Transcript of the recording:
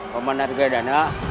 paman harga dana